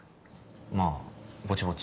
まぁぼちぼち。